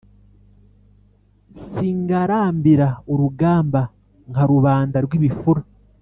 Singarambira urugamba nka rubanda rw'ibifura